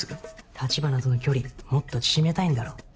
橘との距離もっと縮めたいんだろ？